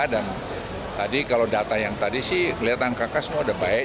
dan tadi kalau data yang tadi sih kelihatan kakak semua sudah baik